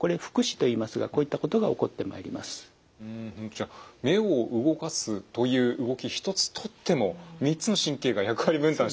じゃあ目を動かすという動き一つとっても３つの神経が役割分担して。